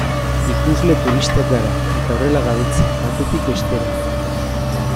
Ikusle turistak gara, eta horrela gabiltza, batetik bestera.